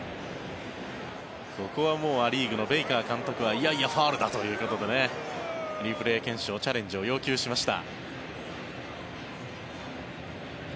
ここはもうア・リーグのベイカー監督はいやいやファウルだということでリプレー検証、チャレンジを要求しました。